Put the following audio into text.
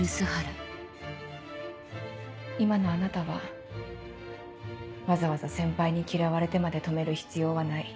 今のあなたは「わざわざ先輩に嫌われてまで止める必要はない。